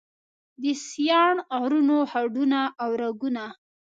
د سیاڼ غرونو هډونه او رګونه